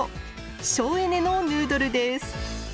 省エネのヌードルです。